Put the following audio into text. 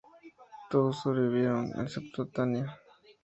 Todos sobrevivieron... excepto Tania.